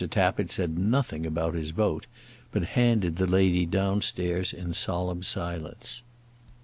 Tappitt said nothing about his vote, but handed the lady down stairs in solemn silence.